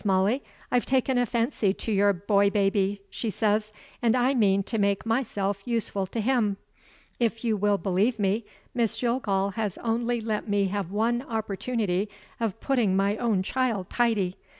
Molly, I've taken a fancy to your boy baby,' she says, 'and I mean to make myself useful to him.' If you will believe me, Miss Jillgall has only let me have one opportunity of putting my own child tidy.